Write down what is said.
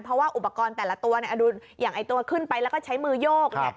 เพราะว่าอุปกรณ์แต่ละตัวอย่างตัวขึ้นไปแล้วก็ใช้มือโยก